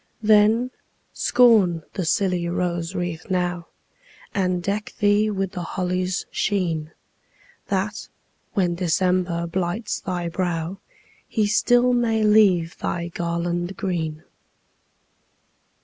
Then, scorn the silly rose wreath now, And deck thee with the holly's sheen, That, when December blights thy brow, He still may leave thy garland green.